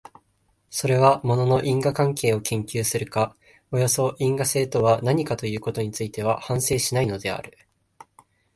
それは物の因果関係を研究するか、およそ因果性とは何かということについては反省しないのである。